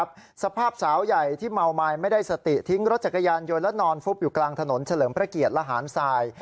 รถจักรยานโยนและนอนฟุบอยู่กลางถนนเฉลิมพระเกียรติระหารทราย